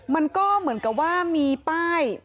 มันก็เหมือนกับว่ามีป้าย